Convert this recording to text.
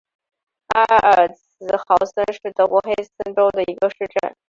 埃尔茨豪森是德国黑森州的一个市镇。